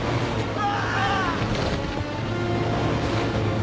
あ！